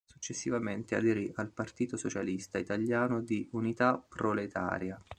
Successivamente aderì al Partito Socialista Italiano di Unità Proletaria.